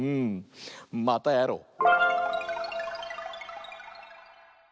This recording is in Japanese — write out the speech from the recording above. またやろう！